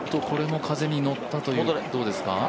これも風に乗ったというどうですか？